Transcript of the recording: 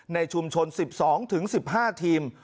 ในชุมชน๑๒๑๕ทีม